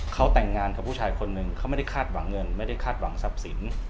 เขาแต่งงานกับผู้ชายคนหนึ่งเขาไม่ได้คาดหวังเงินไม่ได้คาดหวังทรัพย์สิน